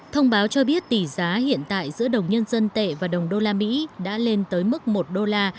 thông báo cho biết tỷ giá hiện tại giữa đồng nhân dân tệ và đồng đô la mỹ đã lên tới mức một đô la